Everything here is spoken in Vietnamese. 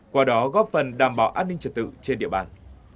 qua đó góp phần đảm bảo an ninh trật tự trên địa bàn